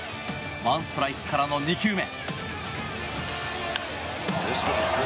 １ストライクからの２球目。